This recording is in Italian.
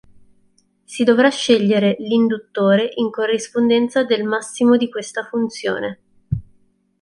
Si dovrà scegliere l'induttore in corrispondenza del massimo di questa funzione.